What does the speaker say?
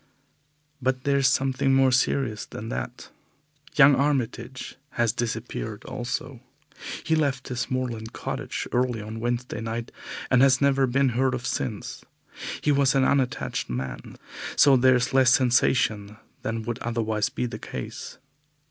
But there is something more serious than that. Young Armitage has disappeared also. He left his moorland cottage early on Wednesday night and has never been heard of since. He was an unattached man, so there is less sensation than would otherwise be the case.